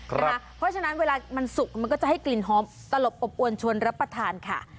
เพราะฉะนั้นเวลามันสุกมันก็จะให้กลิ่นหอมตลบอบอวนชวนรับประทานค่ะ